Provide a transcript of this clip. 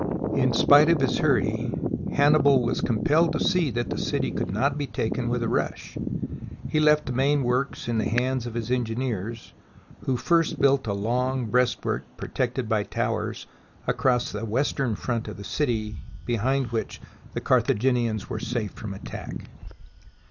In spite of his hurry, Hannibal was compelled to see that the city could not be taken with a rush. He left the main works in the hands of his engineers, who first built a long breastwork protected by towers across the western front of the city, behind which the Car thaginians were safe from attack.